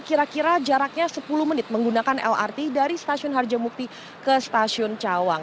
kira kira jaraknya sepuluh menit menggunakan lrt dari stasiun harjamukti ke stasiun cawang